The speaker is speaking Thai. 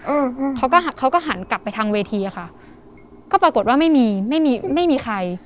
อืมเขาก็เขาก็หันกลับไปทางเวทีอ่ะค่ะก็ปรากฏว่าไม่มีไม่มีไม่มีใคร